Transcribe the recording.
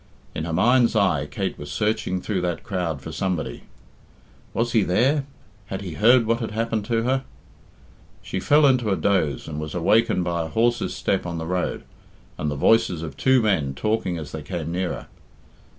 In her mind's eye, Kate was searching through that crowd for somebody. Was he there? Had he heard what had happened to her? She fell into a doze, and was awakened by a horse's step on the road, and the voices of two men talking as they came nearer.